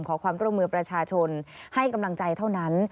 ขอความร่วมมือประชาชนให้กำลังใจเท่านั้น